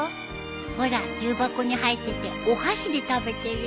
ほら重箱に入っててお箸で食べてるよ。